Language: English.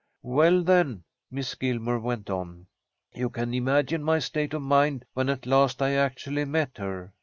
"Well, then," Miss Gilmer went on, "you can imagine my state of mind when at last I actually met her.